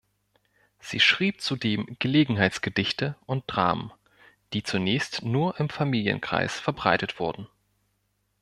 Sie schrieb zudem Gelegenheitsgedichte und Dramen, die zunächst nur im Familienkreis verbreitet wurden.